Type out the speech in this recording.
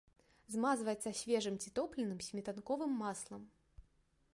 Змазваецца свежым ці топленым сметанковым маслам.